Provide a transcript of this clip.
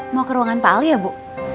mau ke ruangan pak ali ya bu